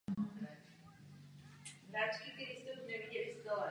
Na ochozu jsou umístěny informační tabule k výhledu.